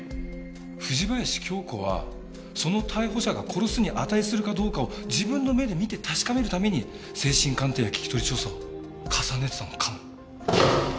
藤林経子はその逮捕者が殺すに値するかどうかを自分の目で見て確かめるために精神鑑定や聞き取り調査を重ねてたのかも。